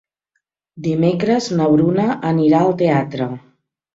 Dimecres na Bruna anirà al teatre.